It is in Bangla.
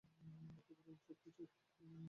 বলতে পারো, সবকিছুই।